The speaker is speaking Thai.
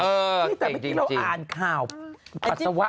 เฝ้ยแต่พะที่เราอ่านข่าวปัสสาวะ